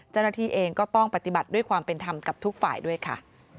เจ้าหน้าที่เองก็ต้องปฏิบัติด้วยความเป็นธรรมกับทุกฝ่ายด้วยค่ะ